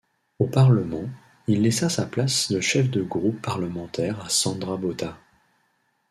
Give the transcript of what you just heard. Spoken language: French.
Au parlement, il laissa sa place de chef de groupe parlementaire à Sandra Botha.